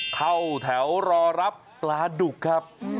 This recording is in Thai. เข้าแถวรอรับปลาดุกครับ